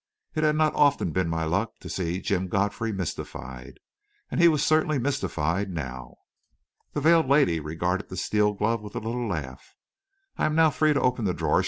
It had not often been my luck to see Jim Godfrey mystified, but he was certainly mystified now! The veiled lady regarded the steel glove with a little laugh. "I am now free to open the drawer?"